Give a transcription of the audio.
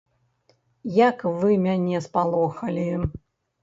Як вы мяне спалохалі.